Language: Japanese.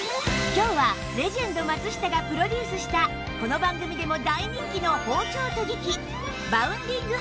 今日はレジェンド松下がプロデュースしたこの番組でも大人気の包丁研ぎ器バウンディング